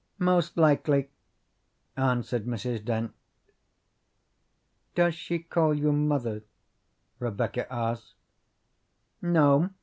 "Most likely," answered Mrs. Dent. "Does she call you mother?" Rebecca asked.